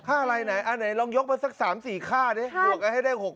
ค่าอะไรไหนอันไหนลองยกมาสัก๓๔ค่าดิบวกไอ้ให้ได้๖๐๐๐